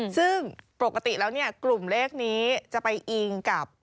ซึ่งปกติแล้วเนี่ยกลุ่มเลขนี้จะไปอิงกับ